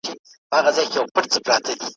وچې مېوې په بدن کې د وینې د کمښت مخه نیسي.